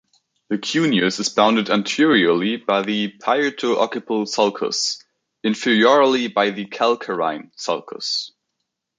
The cuneus is bounded anteriorly by the parieto-occipital sulcus, inferiorly by the calcarine sulcus.